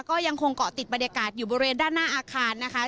ก็ยังคงเกาะติดบรรยากาศอยู่บริเวณด้านหน้าอาคารนะคะ